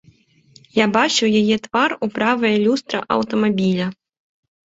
Я бачыў яе твар у правае люстра аўтамабіля.